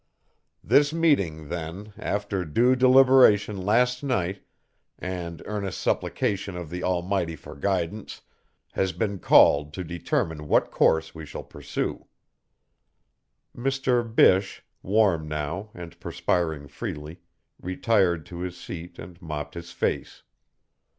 "This meeting, then, after due deliberation last night and earnest supplication of the Almighty for guidance, has been called to determine what course we shall pursue." Mr. Bysshe, warm now and perspiring freely, retired to his seat and mopped his face.